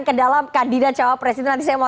ke dalam kandidat cawa presiden nanti saya mau